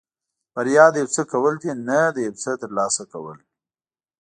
بریا د یو څه کول دي نه د یو څه ترلاسه کول.